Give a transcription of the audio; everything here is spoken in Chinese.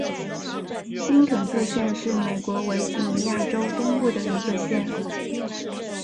新肯特县是美国维吉尼亚州东部的一个县。